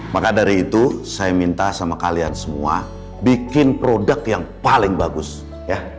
maka dari itu saya minta sama kalian semua bikin produk yang paling bagus ya